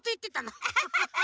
アハハハ！